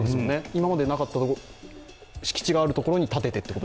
今までなかった敷地があるところに建ててという。